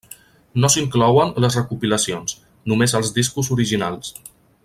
No s'inclouen les recopilacions, només els discos originals.